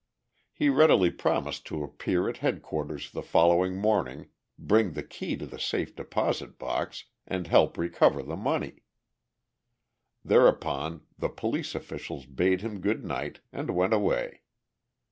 He readily promised to appear at Police Headquarters the following morning, bring the key to the safe deposit box, and help recover the money. Thereupon the police officials bade him good night and went away.